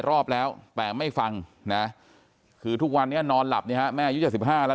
รอบแล้วแต่ไม่ฟังนะคือทุกวันนี้นอนหลับเนี่ยฮะแม่อายุ๗๕แล้ว